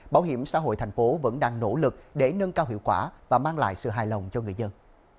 bảo hiểm xã hội thành phố vẫn đang nỗ lực để nâng cao hiệu quả và mang lại sự hài lòng cho người dân